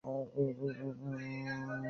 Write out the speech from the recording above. কাল একটু তাড়াতাড়ি অফিসে আসতে পারবেন?